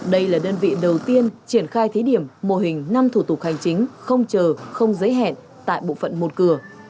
đây là đơn vị đầu tiên triển khai thí điểm mô hình năm thủ tục hành chính không chờ không giấy hẹn tại bộ phận một cửa